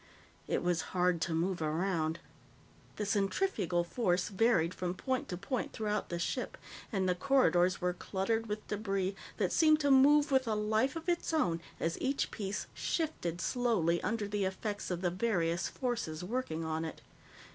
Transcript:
It was hard to move around. The centrifugal force varied from point to point throughout the ship, and the corridors were cluttered with debris that seemed to move with a life of its own as each piece shifted slowly under the effects of the various forces working on it.